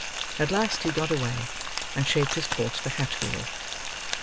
At last he got away, and shaped his course for Hatfield.